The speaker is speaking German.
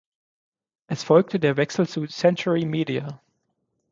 Es folgte der Wechsel zu Century Media.